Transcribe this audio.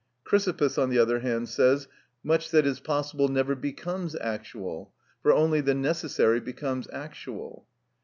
Chrysippus on the other hand says: "Much that is possible never becomes actual; for only the necessary becomes actual."